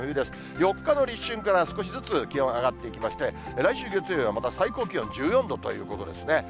４日の立春から少しずつ気温上がっていきまして、来週月曜日はまた最高気温１４度ということですね。